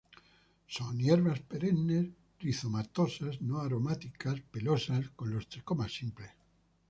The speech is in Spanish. Son hierbas perennes, rizomatosas, no aromáticas, pelosas, con los tricomas simples.